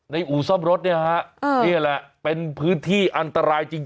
ในอู่ซ่อมรถนี่แหละเป็นพื้นที่อันตรายจริง